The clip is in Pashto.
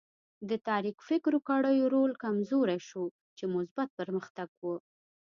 د تاریک فکرو کړیو رول کمزوری شو چې مثبت پرمختګ و.